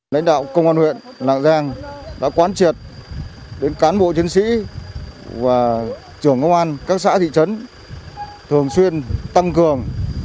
lãnh đạo công an huyện lạng giang đã quán triệt đến cán bộ chiến sĩ và trưởng công an các xã thị trấn